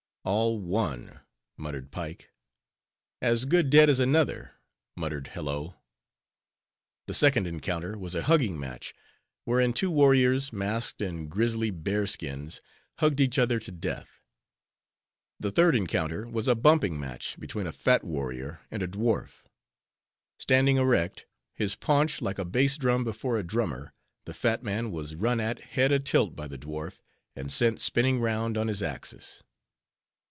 "All one," muttered Pike. "As good dead as another," muttered Hello. The second encounter was a hugging match; wherein two warriors, masked in Grisly bear skins, hugged each other to death. The third encounter was a bumping match between a fat warrior and a dwarf. Standing erect, his paunch like a bass drum before a drummer, the fat man was run at, head a tilt by the dwarf, and sent spinning round on his axis.